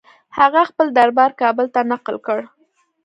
هغه خپل دربار کابل ته نقل کړ.